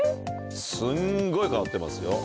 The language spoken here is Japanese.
すんごい変わってますよ。